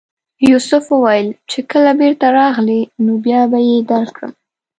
یوسف وویل چې کله بېرته راغلې نو بیا به یې درکړم.